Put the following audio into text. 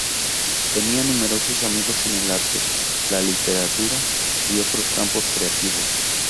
Tenía numerosos amigos en el arte, la literatura, y otros campos creativos.